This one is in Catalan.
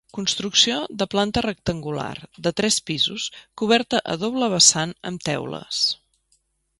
Construcció de planta rectangular, de tres pisos, coberta a doble vessant amb teules.